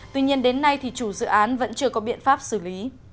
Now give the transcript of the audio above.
tuy nhiên đến nay thì chủ dự án vẫn chưa có biện pháp xử lý